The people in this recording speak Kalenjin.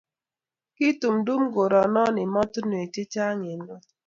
kiitumtum korono emotunwek che chang' eng' ng'ony